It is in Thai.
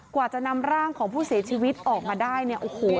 กว่าจะนำร่างของผู้เสียชีวิตออกมาได้เนี่ยโอ้โห